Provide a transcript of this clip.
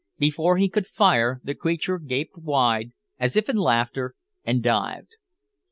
Before he could fire, the creature gaped wide, as if in laughter, and dived.